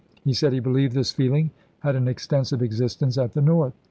He said he believed this feeling had an extensive existence at the North.